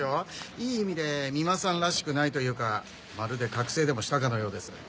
いい意味で三馬さんらしくないというかまるで覚醒でもしたかのようです。